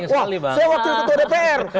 wah saya wakil ketua dpr